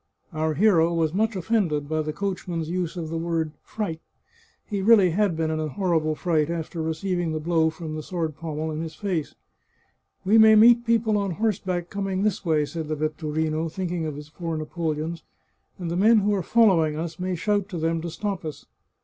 Our hero was much offended by the coachman's use of the word fright. He really had been in a horrible fright after receiving the blow from the sword pommel in his face. " We may meet people on horseback coming this way," said the vetturino, thinking of his four napoleons, " and the men who are following us may shout to them to stop us."